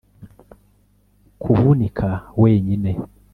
kuvunika wenyine